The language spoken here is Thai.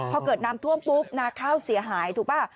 พอเกิดน้ำท่วมปุ๊บนาข้าวเสียหายถูกป่ะ